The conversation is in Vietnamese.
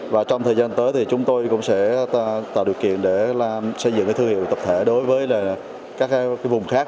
và trong thời gian tới thì chúng tôi cũng sẽ tạo điều kiện để xây dựng thương hiệu tập thể đối với các vùng khác